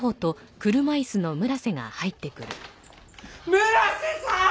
村瀬さん！！